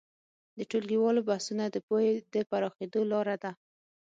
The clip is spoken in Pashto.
د ټولګیو بحثونه د پوهې د پراخېدو لاره ده.